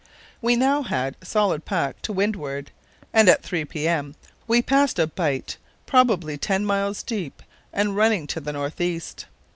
We now had solid pack to windward, and at 3 p.m. we passed a bight probably ten miles deep and running to the north east.